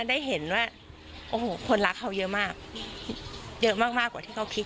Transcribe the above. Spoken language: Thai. ได้เห็นว่าโอ้โหคนรักเขาเยอะมากเยอะมากเยอะมากมากกว่าที่เขาคิด